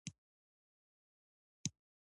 د علي ټولې چارې له شرعې نه کېږي دي.